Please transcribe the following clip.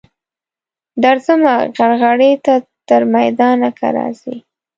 درځمه غرغړې ته تر میدانه که راځې.